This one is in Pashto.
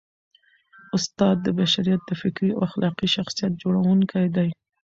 استاد د بشریت د فکري او اخلاقي شخصیت جوړوونکی دی.